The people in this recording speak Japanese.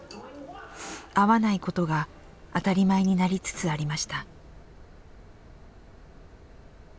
会わないことが当たり前になりつつありました。